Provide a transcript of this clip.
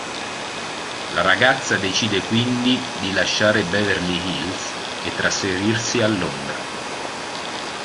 La ragazza decide quindi di lasciare Beverly Hills e trasferirsi a Londra.